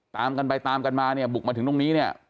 ตามกันไปตามกันมาเนี่ยบุกมาถึงตรงนี้เนี่ย